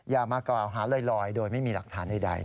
อย่ามากล่าวหาลอยโดยไม่มีหลักฐานใด